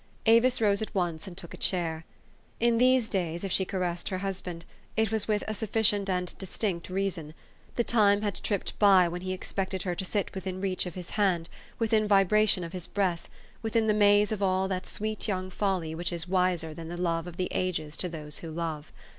Avis rose at once, and took a chair. In these days, if she caressed her husband, it was with a sufficient and distinct reason : the time had tripped by when he expected her to sit within reach of his hand, within vibration of his breath, within the maze 322 THE STORY OF AVIS. of all that sweet young folly which is wiser than the love of the ages to those who love.